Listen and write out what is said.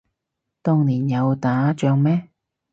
當年有打仗咩